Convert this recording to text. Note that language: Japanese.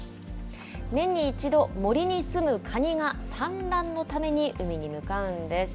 年に１度、森に住むカニが産卵のために海に向かうんです。